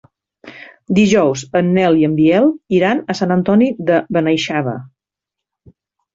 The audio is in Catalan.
Dijous en Nel i en Biel iran a Sant Antoni de Benaixeve.